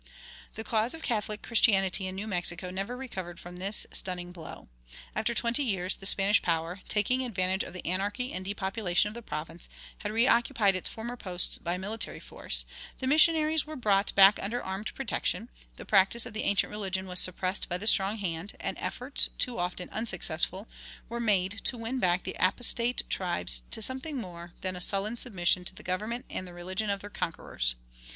The cause of Catholic Christianity in New Mexico never recovered from this stunning blow. After twenty years the Spanish power, taking advantage of the anarchy and depopulation of the province, had reoccupied its former posts by military force, the missionaries were brought back under armed protection, the practice of the ancient religion was suppressed by the strong hand, and efforts, too often unsuccessful, were made to win back the apostate tribes to something more than a sullen submission to the government and the religion of their conquerors.